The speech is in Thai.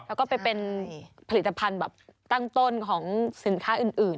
แล้วก็ไปเป็นผลิตภัณฑ์แบบตั้งต้นของสินค้าอื่น